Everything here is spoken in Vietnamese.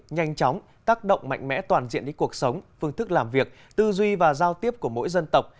nhanh chóng tác động mạnh mẽ toàn diện đến cuộc sống phương thức làm việc tư duy và giao tiếp của mỗi dân tộc